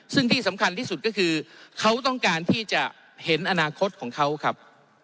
ซึ่งที่สำคัญที่สุดก็คือเขาต้องการที่จะเห็นอนาคตของเขาครับ